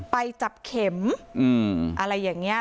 ไปจับเข็มอะไรอย่างนี้